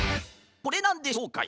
これなんでしょうかい？